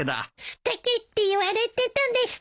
「すてき」って言われてたです。